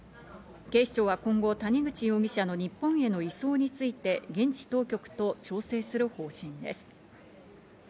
警視庁は今後、谷口容疑者の日本への移送について現地当局と調整する方針です。